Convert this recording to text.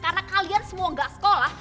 karena kalian semua gak sekolah